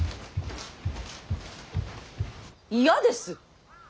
嫌です。